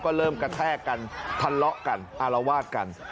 ก็เริ่มกระแทกกันทะเลาะกันอารวาสกัน